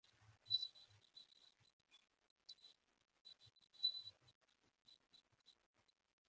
Los primeros directores gestionaron cada hotel por separado.